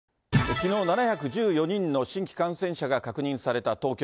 きのう７１４人の新規感染者が確認された東京。